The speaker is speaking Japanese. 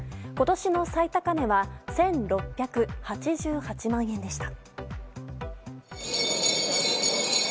今年の最高値は１６８８万円でした。